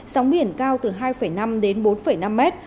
sóng biển cao từ hai năm đến bốn năm mét